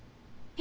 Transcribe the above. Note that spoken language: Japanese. え？